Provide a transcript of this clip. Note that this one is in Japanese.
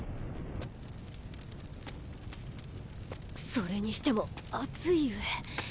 それにしても暑いゆえ。